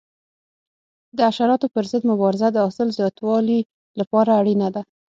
د حشراتو پر ضد مبارزه د حاصل زیاتوالي لپاره اړینه ده.